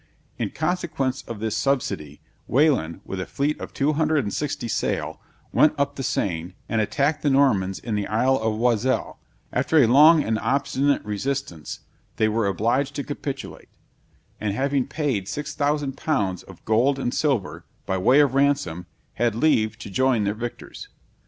In consequence of this subsidy, Wailand, with a fleet of 260 sail, went up the Seine, and attacked the Normans in the isle of Oiselle: after a long and obstinate resistance, they were obliged to capitulate; and having paid 6000 pounds of gold and silver, by way of ransom, had leave to join their victors.